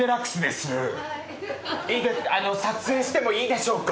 撮影してもいいでしょうか？